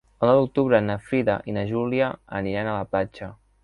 El nou d'octubre na Frida i na Júlia aniran a la platja.